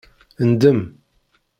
Ndem